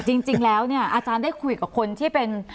จริงแล้วเนี่ยอาจารย์ได้คุยกับคนที่เป็น